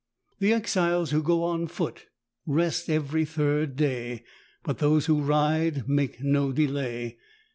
The exiles who go on foot rest every third day, but those who ride make no delay.